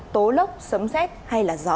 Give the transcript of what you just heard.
tố lốc sấm rét hay là gió